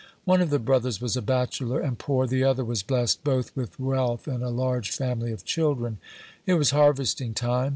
One of the brothers was a bachelor and poor, the other was blessed both with wealth and a large family of children. It was harvesting time.